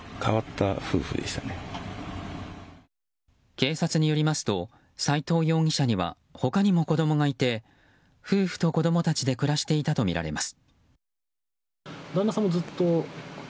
警察によりますと斉藤容疑者には他にも子供がいて夫婦と子供たちで暮らしていたとみられます。